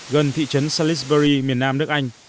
gần thị trấn salisbury miền nam nước anh